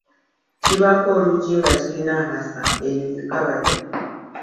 Kibaako oluggi nga kirina amasa eyo ye kkabada.